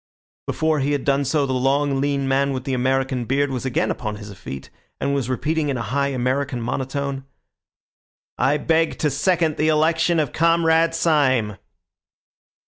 Before he had done so, the long, lean man with the American beard was again upon his feet, and was repeating in a high American monotone— "I beg to second the election of Comrade Syme."